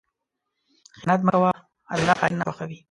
خیانت مه کوه، الله خائن نه خوښوي.